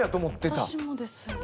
私もです。